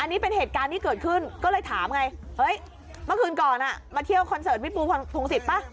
อันนี้เป็นเหตุการณ์ที่เกิดขึ้นก็เลยถามไงเฮ้ยเมื่อคืนก่อนมาเที่ยวคอนเสิร์ตพี่ปูพงศิษย์ป่ะ